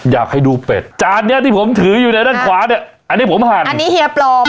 อยากให้ดูเป็ดจานเนี้ยที่ผมถืออยู่ในด้านขวาเนี่ยอันนี้ผมหั่นอันนี้เฮียปลอม